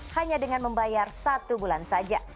hanya dengan membayar satu bulan saja